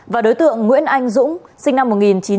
và đối tượng nguyễn anh dũng sinh năm một nghìn chín trăm chín mươi một